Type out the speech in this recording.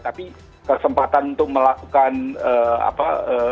tapi kesempatan untuk melakukan apa